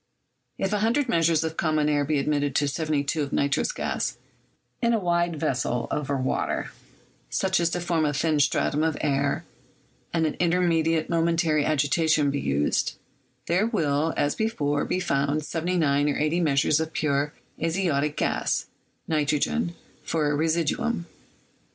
If 100 measures of common air be admitted to 72 of nitrous gas in a wide vessel over water, such as to form a thin stratum of air, and an immediate momentary agitation be used, there will, as before, be found 79 or 80 measures of pure azotic gas [nitrogen] for a residuum.